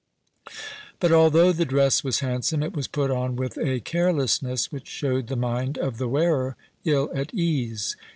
But although the dress was handsome, it was put on with a carelessness which showed the mind of the wearer ill at ease.